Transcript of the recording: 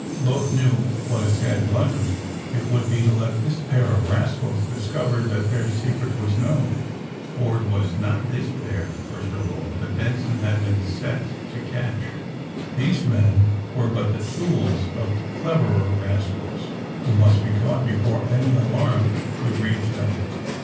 Both knew what a sad blunder it would be to let this pair of rascals discover that their secret was known. For it was not this pair, first of all, that Ben son had been set to catch. These men were but the tools of cleverer rascals who must be caught before any alarm could reach them.